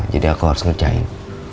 jadi aku harus ngerjain